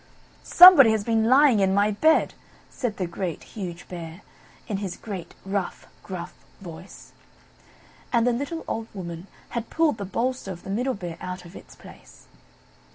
"Somebody has been lying in my bed!" said the Great, Huge Bear, in his great, rough, gruff voice. And the little old Woman had pulled the bolster of the Middle Bear out of its place.